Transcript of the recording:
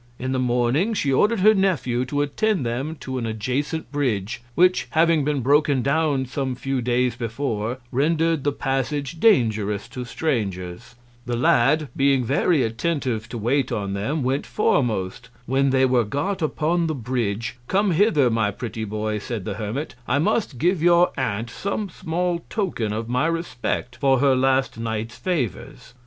In the Morning she order'd her Nephew to attend them to an adjacent Bridge, which, having been broken down some few Days before, render'd the Passage dangerous to Strangers. The Lad, being very attentive to wait on them, went formost. When they were got upon the Bridge; come hither, my pretty Boy, said the Hermit, I must give your Aunt some small Token of my Respect for her last Night's Favours.